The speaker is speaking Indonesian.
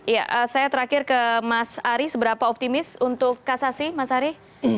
ya saya terakhir ke mas ari seberapa optimis untuk kasasi mas ari